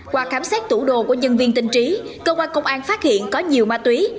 qua khám xét tủ đồ của nhân viên tình trí công an tp hcm phát hiện có nhiều ma túy